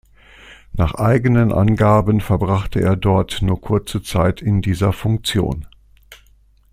Nach eigenen Angaben verbrachte er dort nur kurze Zeit in dieser Funktion.